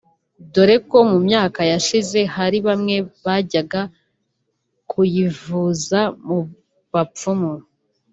dore ko mu myaka yashize hari bamwe bajyaga kuyivuza mu bapfumu